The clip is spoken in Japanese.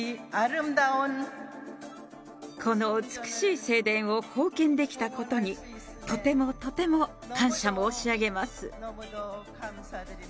この美しい聖殿を奉献できたことに、とてもとても感謝申し上げます。